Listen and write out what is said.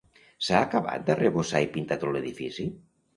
S'ha acabat d'arrebossar i pintar tot l'edifici.